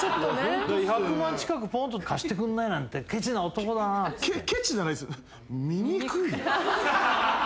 １００万近くぽんと貸してくんないなんてケチな男だなっつって。